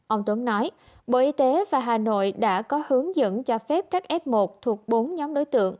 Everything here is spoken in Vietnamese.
ông tuấn nói bộ y tế và hà nội đã có hướng dẫn cho phép các f một thuộc bốn nhóm đối tượng